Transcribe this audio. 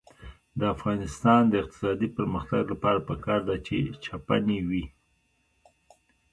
د افغانستان د اقتصادي پرمختګ لپاره پکار ده چې چپنې وي.